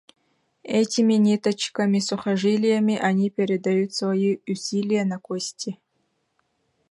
Этими ниточками-сухожилиями они передают свои усилия на кости.